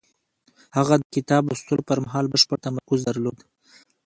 هغه د کتاب لوستلو پر مهال بشپړ تمرکز درلود.